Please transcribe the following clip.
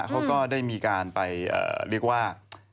เขาก็ได้มีการไปเรียกว่า